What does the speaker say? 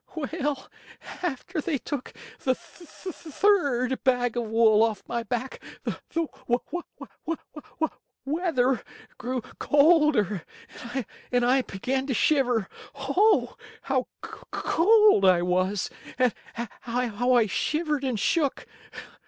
"Well, after they took the third bag of wool off my back the weather grew colder, and I began to shiver. Oh! how cold I was; and how I shivered and shook.